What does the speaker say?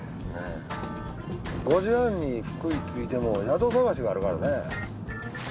５時半に福井着いても宿探しがあるからね。